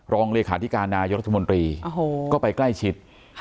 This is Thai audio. รองเลขาธิการนายกรัฐมนตรีก็ไปใกล้ชิด